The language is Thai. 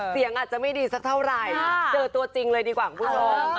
เสียงอาจจะไม่ดีสักเท่าไหร่เจอตัวจริงเลยดีกว่าคุณผู้ชม